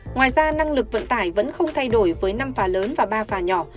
ngoài ra năng lực vận tải vẫn không thay đổi với năm phà lớn và ba phà nhỏ